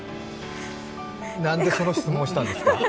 何でその質問をしたんですか？